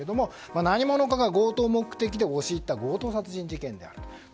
何者かが強盗目的で押し入った強盗殺人事件だと。